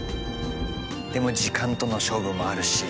でも時間との勝負もあるし。